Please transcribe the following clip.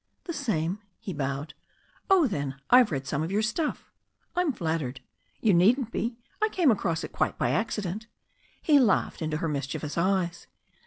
"The same," he bowed. "Oh, then, I've read some of your stuff." "I'm flattered." "You needn't be. I came across it quite by accident." He laughed into her mischievous eyes.